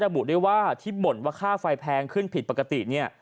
ได้ระบุด้วยว่าที่หมดค่าไฟแพงขึ้นผิดปกติ